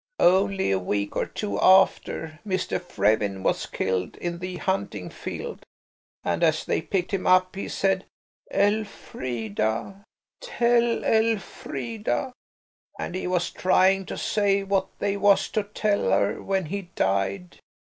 Only a week or two after Mr. Frewin was killed in the hunting field, and as they picked him up he said, 'Elfrida; tell Elfrida–' and he was trying to say what they was to tell her, when he died.